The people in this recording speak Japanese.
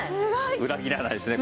裏切らないですね